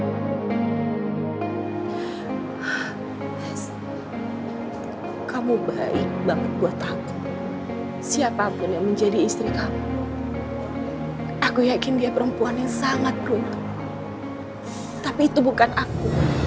ah kamu baik banget buat aku siapapun yang menjadi istriku aku yakin dia perempuan yang sangat runtuh tapi itu bukan aku